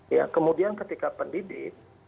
ya kemudian ketika pendidik